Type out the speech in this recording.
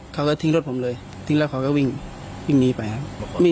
เขาก็ทิ้งรถผมเลยทิ้งแล้วเขาก็วิ่งวิ่งหนีไปครับ